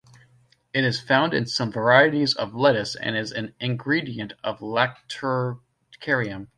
It is found in some varieties of lettuce and is an ingredient of lactucarium.